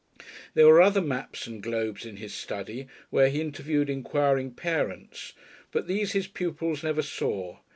There were other maps and globes in his study, where he interviewed inquiring parents, but these his pupils never saw.